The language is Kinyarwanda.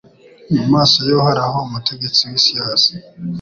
mu maso y’Uhoraho Umutegetsi w’isi yose